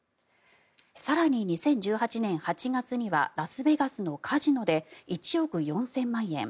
更に、２０１８年８月にはラスベガスのカジノで１億４０００万円。